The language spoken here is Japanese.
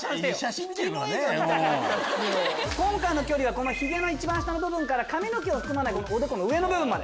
今回の距離はヒゲの一番下から髪の毛含まないおでこの上まで。